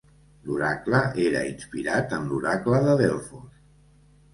L'oracle era inspirat en l'Oracle de Delfos.